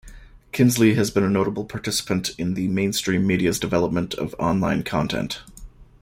Kinsley has been a notable participant in the mainstream media's development of online content.